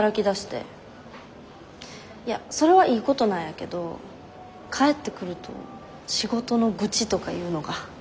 いやそれはいいことなんやけど帰ってくると仕事の愚痴とか言うのが。